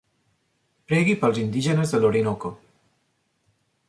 Pregui pels indígenes de l'Orinoco.